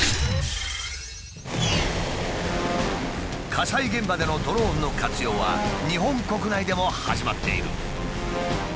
火災現場でのドローンの活用は日本国内でも始まっている。